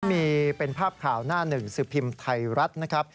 มีเป็นภาพข่าวหน้หนึ่งสือพิมพ์ไทรรัตร